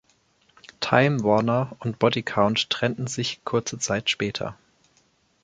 Time Warner und Body Count trennten sich kurze Zeit später.